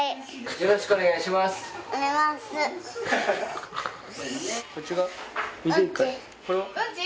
よろしくお願いしますうんち？